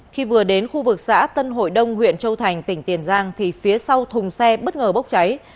khi vừa đến khu vực xã tân hội đông huyện châu thành tỉnh tiền giang thì phía sau thùng xe bất ngờ bốc cháy